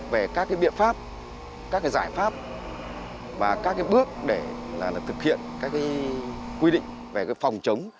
về các biện pháp các giải pháp và các bước để thực hiện các quy định về phòng chống